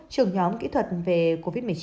trưởng nhóm kỹ thuật về covid một mươi chín